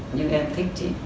nhưng em thích chị